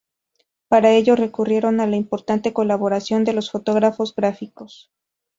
Para ello recurrieron a la importante colaboración de los fotógrafos gráficos.